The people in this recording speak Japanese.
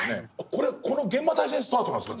これこの「幻魔大戦」スタートなんですか？